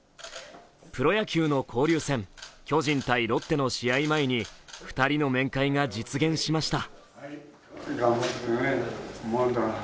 プロ野球の交流戦、巨人×ロッテの試合前に２人の面会が実現しました。